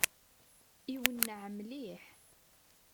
Iwenneɛ mliḥ!